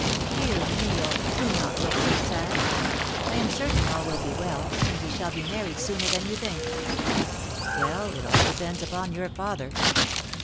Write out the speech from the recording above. Dear Neil, do you not took so sad. I am certain all will be well, and we shall be married sooner than you think." "Well, it all depends upon your father."